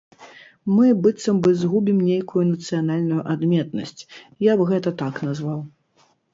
Мы быццам бы згубім нейкую нацыянальную адметнасць, я б гэта так назваў.